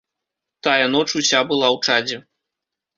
Тая ноч уся была ў чадзе.